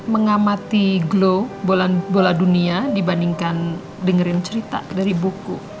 mengamati glow bola dunia dibandingkan dengerin cerita dari buku